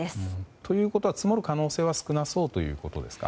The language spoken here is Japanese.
ということは積もる可能性は少なそうということですか？